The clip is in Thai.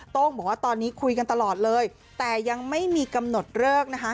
้งบอกว่าตอนนี้คุยกันตลอดเลยแต่ยังไม่มีกำหนดเลิกนะคะ